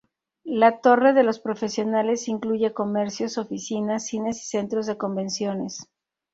La Torre de los Profesionales incluye comercios, oficinas, cines y centro de convenciones.